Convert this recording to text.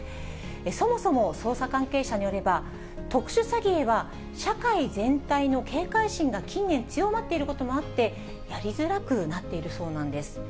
そもそも捜査関係者によれば、特殊詐欺へは社会全体の警戒心が近年強まっていることもあって、やりづらくなっているそうなんです。